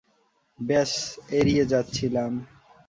ব্যস এড়িয়ে যাচ্ছিলাম।